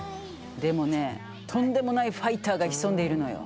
でもねとんでもないファイターが潜んでいるのよ。